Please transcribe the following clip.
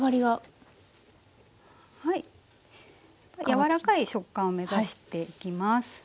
柔らかい食感を目指していきます。